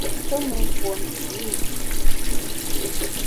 Pe me mbuomshe i mùn.